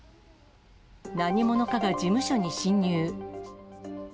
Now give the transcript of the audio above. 何者かが事務所に侵入。